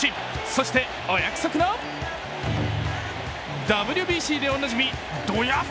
そして、お約束のＷＢＣでおなじみ、ドヤッ！